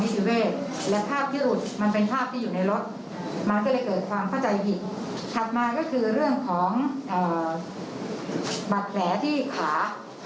ถัดมาก็คือเรื่องของบัตรแผลที่ขา